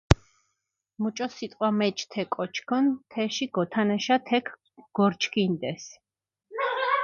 მუჭო სიტყვა მეჩ თე კოჩქჷნ თეში, გოთანაშა თექ გორჩქინდეს.